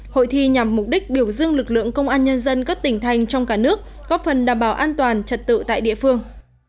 hội thi nhằm mục đích biểu dương lực lượng công an nhân dân các tỉnh thành trong cả nước góp phần đảm bảo an toàn trật tự tại địa phương